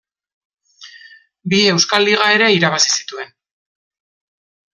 Bi Euskal Liga ere irabazi zituen.